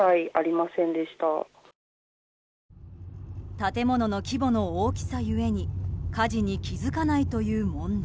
建物の規模の大きさゆえに火事に気付かないという問題。